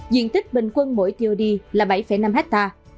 diện tích bình quân mỗi cod là bảy năm hectare